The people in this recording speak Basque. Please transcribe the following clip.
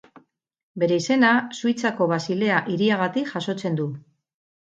Bere izena Suitzako Basilea hiriagatik jasotzen du.